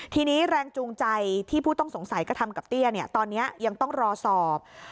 ทีนี้แรงจูงใจที่ผู้ต้องสงสัยกระทำกับเตี้ยตอนนี้ยังต้องรอสอบ